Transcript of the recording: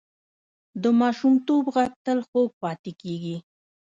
د ماشومتوب غږ تل خوږ پاتې کېږي